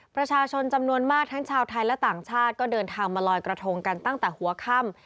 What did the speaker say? ประชาชนจำนวนมากทั้งชาวไทยและต่างชาติก็เดินทางมาลอยกระทงกันตั้งแต่หัวค่ำ